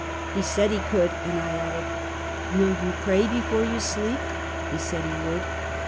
He said he could, and I added : "Will you pray before you sleep?" He said he would.